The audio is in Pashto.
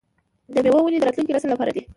د میوو ونې د راتلونکي نسل لپاره دي.